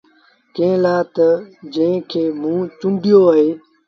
ڪݩهݩ لآ تا جنٚهنٚ کي موٚنٚ چونڊيو اهي